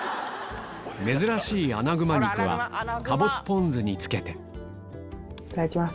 珍しいかぼすポン酢につけていただきます。